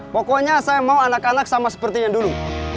pokoknya saya mau anak anak sama seperti yang dulu